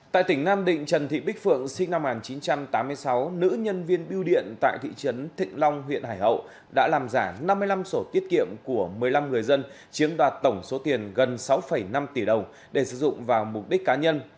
tại tỉnh nam định trần thị bích phượng sinh năm một nghìn chín trăm tám mươi sáu nữ nhân viên biêu điện tại thị trấn thịnh long huyện hải hậu đã làm giả năm mươi năm sổ tiết kiệm của một mươi năm người dân chiếm đoạt tổng số tiền gần sáu năm tỷ đồng để sử dụng vào mục đích cá nhân